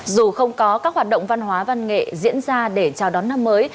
dù không có các hoạt động văn hóa văn nghệ diễn ra để chào đón năm mới